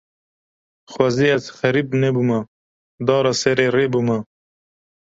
Xwezî ez xerîb nebûma, dara serê rê bûma